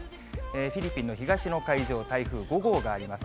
フィリピンの東の海上、台風５号があります。